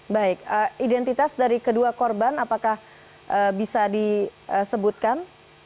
baik identitas dari kedua korban apakah bisa disebutkan